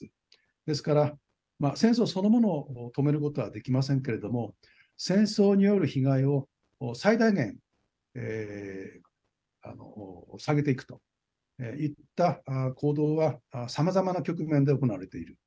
ですから戦争そのものを止めることはできませんけれども戦争による被害を最大限下げていくといった行動はさまざまな局面で行われている。